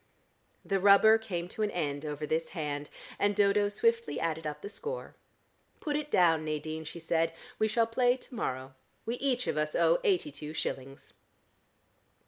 The rubber came to an end over this hand, and Dodo swiftly added up the score. "Put it down, Nadine," she said. "We shall play to morrow. We each of us owe eighty two shillings."